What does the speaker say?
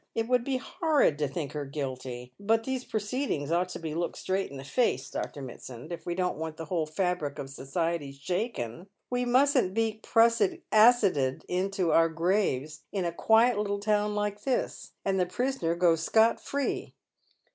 It would be horrid to think her guilty. But these proceedings ought to be looked straight in the face, Dr. Mitsand, if we don't want the whole fabric of society shaken. We mustn't be prussic acid ed into our graves in a quiet little town like this, and the prisoner go Bcot free.